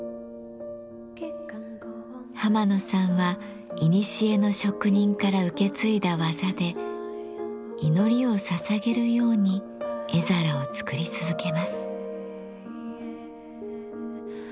浜野さんはいにしえの職人から受け継いだ技で祈りを捧げるように絵皿を作り続けます。